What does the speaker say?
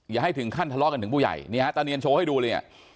อย่าให้ถึงขั้นทะเลาะกันถึงผู้ใหญ่นี่ฮะตาเนียนโชว์ให้ดูเลยเนี่ย